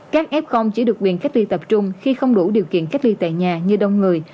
các f chỉ được quyền cách ly tập trung khi không đủ điều kiện cách ly tại nhà như đông người